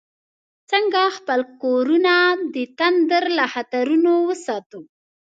څنګه خپل کورونه د تندر له خطرونو وساتو؟